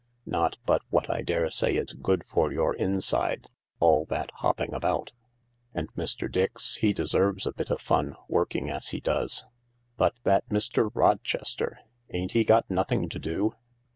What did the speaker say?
" Not but what I daresay it's good for your inside, all that hopping about. And Mr. Dix, he deserves a bit of fun, working as he does. But that Mr. Rochester ! Ain't he got nothing to do